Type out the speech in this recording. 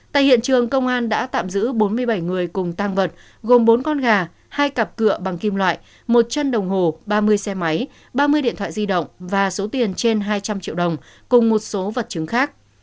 tại hiện trường công an đã tạm giữ bốn mươi bảy người cùng tăng vật gồm bốn con gà hai cặp cửa bằng kim loại một chân đồng hồ ba mươi xe máy ba mươi điện thoại di động và số tiền trên hai trăm linh triệu đồng cùng một số vật chứng khác